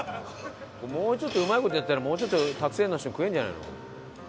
もうちょっとうまい事やったらもうちょっとたくさんの人食えるんじゃないの？